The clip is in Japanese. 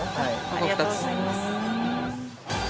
◆ありがとうございます。